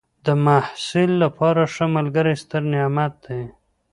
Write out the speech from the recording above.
د محصل لپاره ښه ملګری ستر نعمت دی.